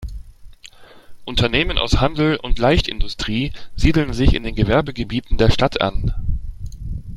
Unternehmen aus Handel und Leichtindustrie siedeln sich in den Gewerbegebieten der Stadt an.